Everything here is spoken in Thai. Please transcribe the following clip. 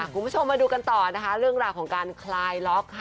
คุณผู้ชมมาดูกันต่อนะคะเรื่องราวของการคลายล็อกค่ะ